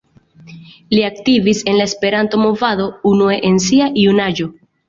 Li aktivis en la Esperanto-movado unue en sia junaĝo.